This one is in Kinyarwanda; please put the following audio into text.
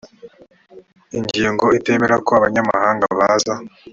ingingo itemera ko abanyamahanga baza